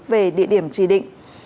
về địa điểm chỉ định